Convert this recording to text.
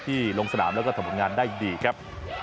ลงสนามแล้วก็ทำผลงานได้ดีครับ